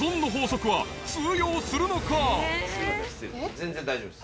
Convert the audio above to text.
全然大丈夫です。